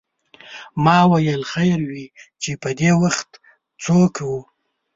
ما ویل خیر وې چې پدې وخت څوک و.